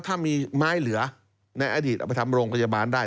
ถ้ามีไม้เหลือในอดีตเอาไปทำโรงพยาบาลได้